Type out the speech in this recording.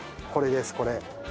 これですこれ。